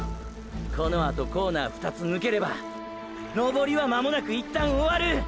このあとコーナー２つぬければ登りは間もなく一旦終わる。